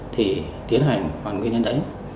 thì tiến hành hoàn nguyên đến đấy